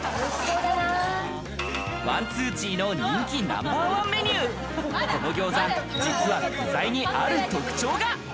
万豚記の人気ナンバーワンメニュー、この餃子、実は具材にある特徴が。